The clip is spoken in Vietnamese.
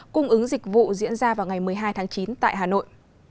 cung ứng dịch vụ diễn ra vào ngày một mươi hai tháng chín tại hà nội